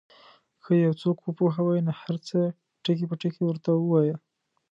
که یو څوک وپوهوې نو هر څه ټکي په ټکي ورته ووایه.